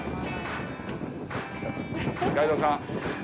ガイドさん。